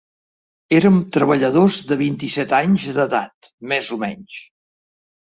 Érem treballadors de vint-i-set anys d’edat més o menys.